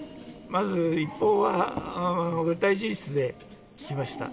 まず１報は大臣室で聞きました。